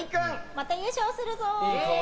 また優勝するぞ！